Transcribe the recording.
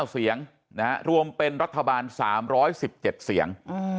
๙เสียงรวมเป็นรัฐบาล๓๑๗เสียง